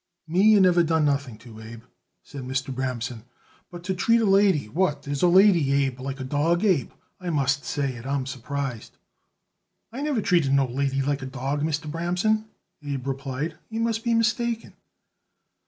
"Me you never done nothing to, Abe," said Mr. Bramson, "but to treat a lady what is a lady, Abe, like a dawg, Abe, I must say it I'm surprised. "I never treated no lady like a dawg, Mr. Bramson," Abe replied. "You must be mistaken."